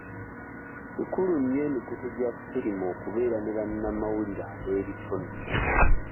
Kikulu nnyo emikutu gya ffirimu okubeera ne bannamawulire abeebitone.